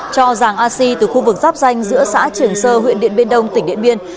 cho giàng a si từ khu vực giáp danh giữa xã trường sơ huyện điện biên đông tỉnh điện biên